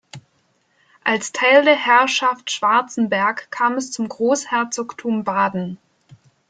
Als Teil der Herrschaft Schwarzenberg kam es zum Großherzogtum Baden.